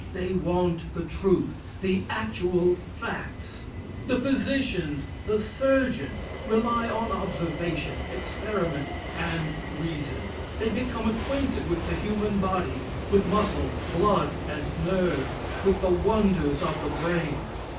They want the truth the actual facts. The physicians, the surgeons, rely on observation, experiment and reason. They become acquainted with the human body with muscle, blood and nerve with the wonders of the brain.